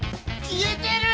消えてる！